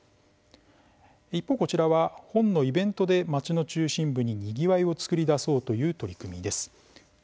一方、こちらは本のイベントで町の中心部ににぎわいを作り出そうという取り組みです。